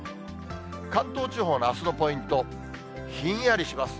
関東地方のあすのポイント、ひんやりします。